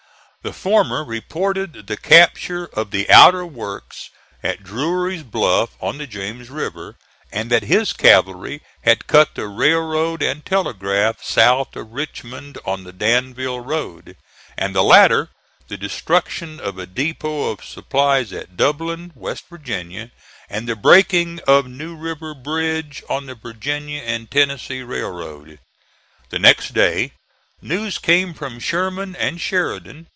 The former reported the capture of the outer works at Drury's Bluff, on the James River, and that his cavalry had cut the railroad and telegraph south of Richmond on the Danville road: and the latter, the destruction of a depot of supplies at Dublin, West Virginia, and the breaking of New River Bridge on the Virginia and Tennessee Railroad. The next day news came from Sherman and Sheridan.